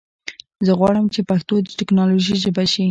زه غواړم چې پښتو د ټکنالوژي ژبه شي.